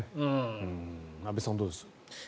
安部さん、どうです？